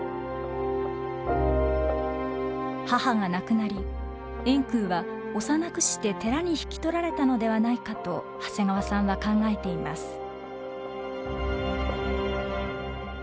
母が亡くなり円空は幼くして寺に引き取られたのではないかと長谷川さんは考えています。